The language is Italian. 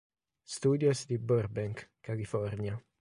Studios di Burbank, California.